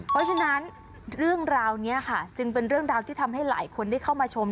เพราะฉะนั้นเรื่องราวนี้ค่ะจึงเป็นเรื่องราวที่ทำให้หลายคนได้เข้ามาชม